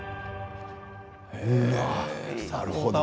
なるほど。